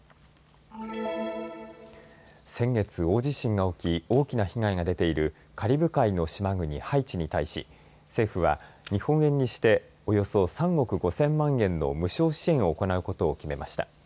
先月、大地震が起き大きな被害が出ているカリブ海の島国ハイチに対し、政府は日本円にしておよそ３億５０００万円の無償支援を行うことを決めました。